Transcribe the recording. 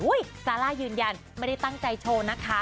ซาร่ายืนยันไม่ได้ตั้งใจโชว์นะคะ